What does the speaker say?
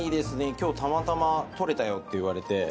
今日たまたまとれたよって言われて。